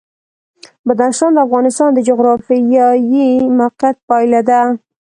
بدخشان د افغانستان د جغرافیایي موقیعت پایله ده.